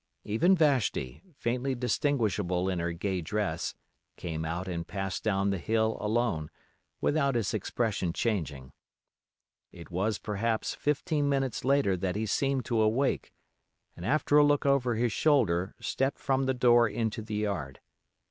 Even Vashti, faintly distinguishable in her gay dress, came out and passed down the hill alone, without his expression changing. It was, perhaps, fifteen minutes later that he seemed to awake, and after a look over his shoulder stepped from the door into the yard.